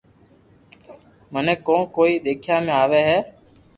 منو ڪون ڪوئي ديکيا ۾ آوي ھي